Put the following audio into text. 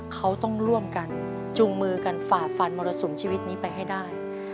เขาต้องร่วมกันจุงมือกันฝ่าฟันมรสุมชีวิตนี้ไปให้ได้